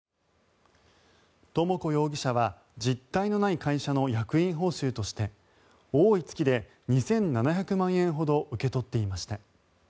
智子容疑者は実体のない会社の役員報酬として多い月で２７００万円ほど受け取っていました。